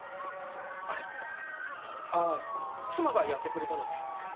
あれっあぁ妻がやってくれたので。